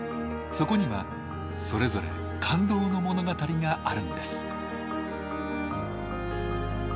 そこにはそれぞれ感動の物語があるんです。